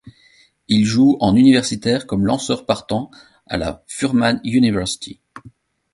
Il joue en universitaire comme lanceur partant à la Furman University.